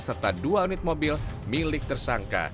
serta dua unit mobil milik tersangka